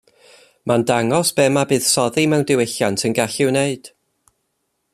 Mae'n dangos be ma buddsoddi mewn diwylliant yn gallu'i wneud.